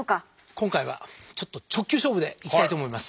今回はちょっと直球勝負でいきたいと思います。